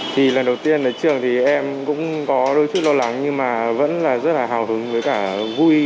thì lần đầu tiên đến trường thì em cũng có đôi chút lo lắng nhưng mà vẫn là rất là hào hứng với cả vui